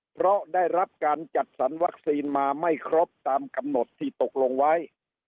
เพราะได้รับการจัดสรรวัคซีนมาไม่ครบตามกำหนดที่ตกลงไว้